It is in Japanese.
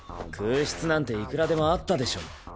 空室なんていくらでもあったでしょ。